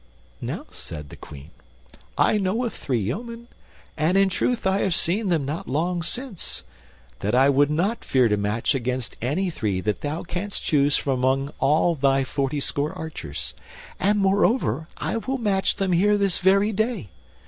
"Now," said the Queen, "I know of three yeomen, and in truth I have seen them not long since, that I would not fear to match against any three that thou canst choose from among all thy fortyscore archers; and, moreover, I will match them here this very day.